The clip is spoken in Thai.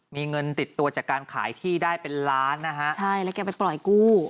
มีเงินติดตัวจากการขายที่ได้เป็นล้านนะฮะใช่แล้วแกไปปล่อยกู้